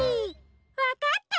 わかった？